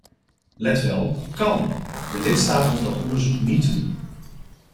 Let wel, kán, de lidstaat hoeft dat onderzoek niet te doen.